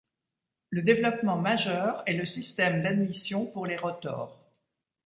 Le développement majeur est le système d'admission pour les rotors.